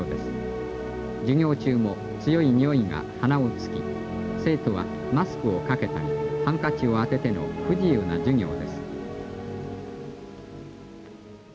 授業中も強い臭いが鼻をつき生徒はマスクをかけたりハンカチを当てての不自由な授業です